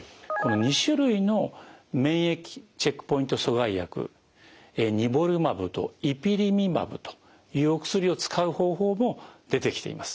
２種類の免疫チェックポイント阻害薬ニボルマブとイピリムマブというお薬を使う方法も出てきています。